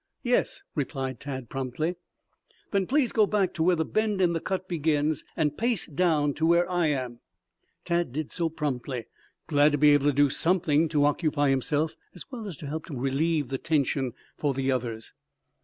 "Yes," replied Tad promptly. "Then please go back to where the bend in the cut begins, and pace down to where I am." Tad did so promptly, glad to be able to do something to occupy himself as well as to help relieve the tension for the others.